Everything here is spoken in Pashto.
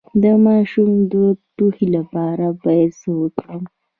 د ماشوم د ټوخي لپاره باید څه وکړم؟